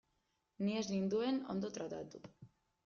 Ni ez ninduten ondo tratatu.